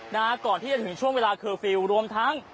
นะฮะก่อนที่จะถึงช่วงเวลาเคอร์ฟิลล์รวมทั้ง